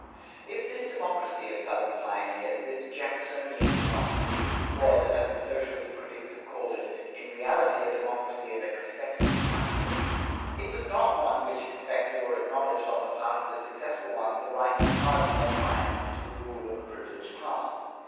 If this democracy of Southern pioneers, this Jacksonian democracy, was, as its socialist critics have called it, in reality a democracy of "expectant capitalists," it was not one which expected or acknowledged on the part of the successful ones the right to harden their triumphs into the rule of a privileged class.